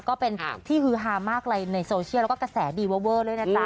ก็เป็นที่ฮือฮามากเลยในโซเชียลแล้วก็กระแสดีเวอร์เวอร์ด้วยนะจ๊ะ